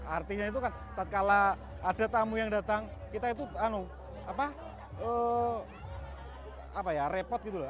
artinya itu kan kalau ada tamu yang datang kita itu repot gitu loh